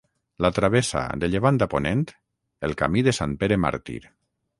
La travessa, de llevant a ponent, el Camí de Sant Pere Màrtir.